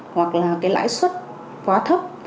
hoặc là lãi suất quá thấp